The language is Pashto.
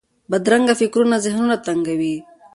بدرنګه فکرونه ذهن تنګوي